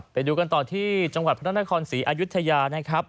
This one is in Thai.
ไปดูกันต่อที่จังหวัดพระนาคอนศรีอายุทยา